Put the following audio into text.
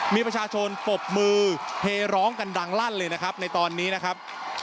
มีประชาชนปรบมือเฮร้องกันดังลั่นเลยนะครับในตอนนี้นะครับ